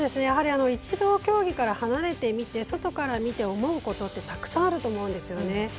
やはり一度、競技から離れてみて外から見て思うことってたくさんあると思うんですよね。